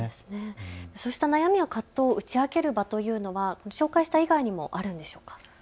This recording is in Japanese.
そうした悩みや葛藤、打ち明ける場というのは紹介した以外にもあるんでしょうか。